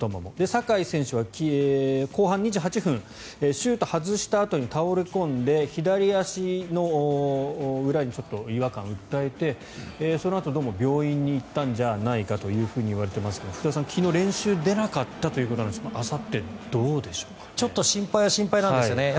酒井選手は後半２８分シュートを外したあとに倒れ込んで左足の裏に違和感を訴えてそのあと、病院に行ったんじゃないかといわれていますが福田さん、昨日練習に出なかったということですが心配は心配なんですよね。